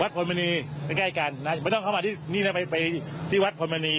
วัดพนมณีมาใกล้กันไม่ต้องมาที่ที่วัดพนมณี